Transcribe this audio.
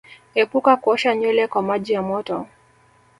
Epuka kuosha nywele kwa maji ya moto